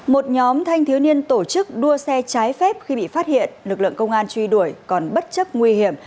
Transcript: một nhóm thanh thiếu niên tổ chức đua xe trái phép khi bị phát hiện lực lượng công an truy đuổi còn bất chấp nguy hiểm